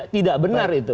tidak benar itu